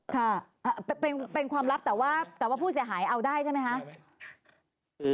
ค่ะเป็นความลับแต่ว่าแต่ว่าผู้เสียหายเอาได้ใช่ไหมคะ